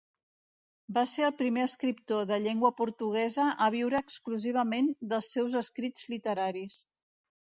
Va ser el primer escriptor de llengua portuguesa a viure exclusivament dels seus escrits literaris.